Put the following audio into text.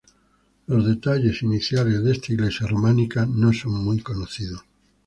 Los detalles iniciales de esta iglesia románica no son muy conocidos.